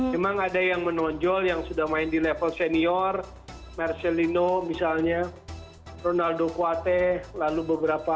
memang ada yang menonjol yang sudah main di level senior marcelino misalnya ronaldo kuate lalu beberapa